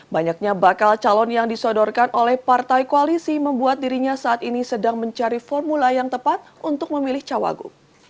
banyaknya bakal calon yang disodorkan oleh partai koalisi membuat dirinya saat ini sedang mencari formula yang tepat untuk memilih cawagu